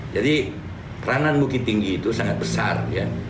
jadi keranan bukit tinggi itu sangat besar ya